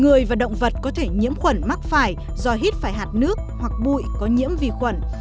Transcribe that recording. người và động vật có thể nhiễm khuẩn mắc phải do hít phải hạt nước hoặc bụi có nhiễm vi khuẩn